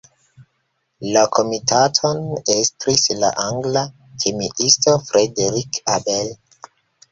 La komitaton estris la angla kemiisto Frederick Abel.